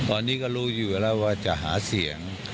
ตอนนี้ก็รู้อยู่แล้วว่าจะหาเสียง